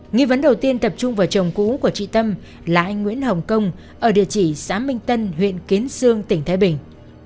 nghi vấn đầu tiên tập trung vào chồng cũ của chị tâm là anh nguyễn hồng công ở địa chỉ xã minh tân huyện kiến sương tỉnh thái bình